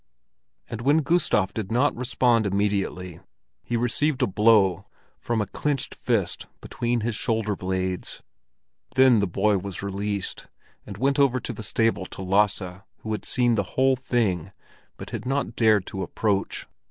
and when Gustav did not respond immediately, he received a blow from a clenched fist between his shoulder blades. Then the boy was released, and went over to the stable to Lasse, who had seen the whole thing, but had not dared to approach.